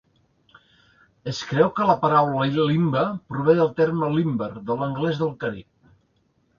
Es creu que la paraula "limbe" prové del terme "limber" de l'anglès del carib.